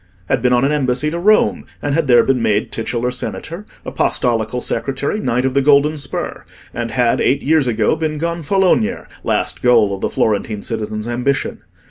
—had been on an embassy to Rome, and had there been made titular Senator, Apostolical Secretary, Knight of the Golden Spur; and had, eight years ago, been Gonfaloniere—last goal of the Florentine citizen's ambition.